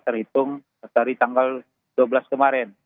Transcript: terhitung dari tanggal dua belas kemarin